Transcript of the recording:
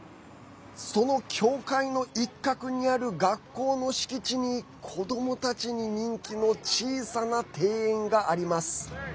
その教会の一角にある学校の敷地に子どもたちに人気の小さな庭園があります。